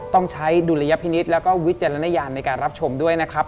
ต้องใช้ดุลยพินิษฐ์แล้วก็วิจารณญาณในการรับชมด้วยนะครับ